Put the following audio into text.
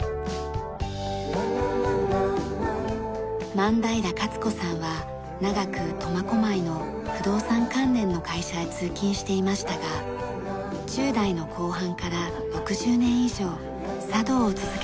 万平加津子さんは長く苫小牧の不動産関連の会社へ通勤していましたが１０代の後半から６０年以上茶道を続けています。